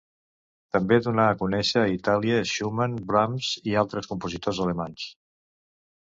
També donà a conèixer a Itàlia Schumann, Brahms i altres compositors alemanys.